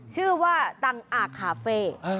ชื่อว่าตังอาคาเฟ่